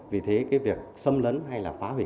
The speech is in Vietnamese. vì thế cái việc xâm lấn hay là phá hủy